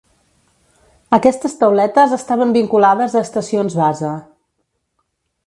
Aquestes tauletes estaven vinculades a estacions base.